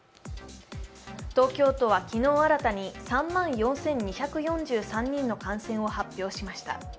東京都は昨日新たに３万４２４３人の感染を発表しました。